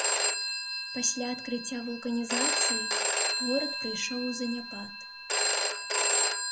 Пасля адкрыцця вулканізацыі горад прыйшоў у заняпад.